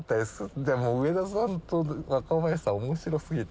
上田さんと若林さん面白過ぎて。